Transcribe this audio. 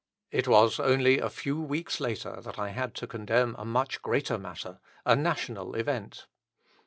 It was only a few weeks later that I had to condemn a much greater matter, a national event.